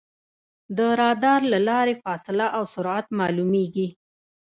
د رادار له لارې فاصله او سرعت معلومېږي.